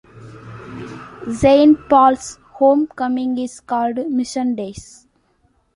Saint Paul's homecoming is called Mission Days.